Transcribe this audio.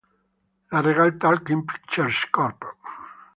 La Regal Talking Pictures Corp.